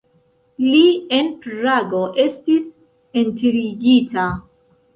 Li en Prago estis enterigita.